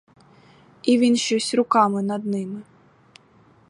І він щось руками над ними.